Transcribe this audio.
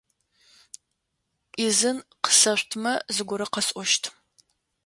Ӏизын къысэшъутмэ, зыгорэ къэсӀощт.